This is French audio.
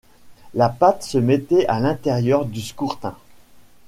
La pâte se mettait à l'intérieur du scourtin.